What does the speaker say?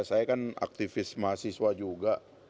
saya kan aktivis mahasiswa juga